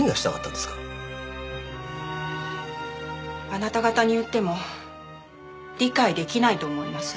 あなた方に言っても理解できないと思います。